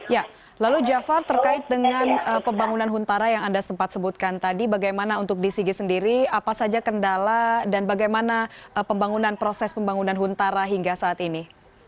ya lalu jafar terkait dengan pembangunan huntara yang anda sempat sebutkan tadi bagaimana untuk dcg sendiri apa saja kendala dan bagaimana pembangunan proses pembangunan huntara hingga saat ini